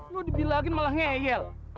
lu dibilangin malah ngeyel